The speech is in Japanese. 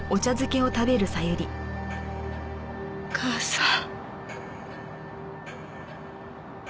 母さん。